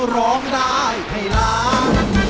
ร้องได้ให้ล้าน